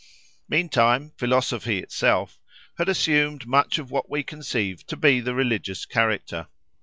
Meantime "Philosophy" itself had assumed much of what we conceive to be the religious character.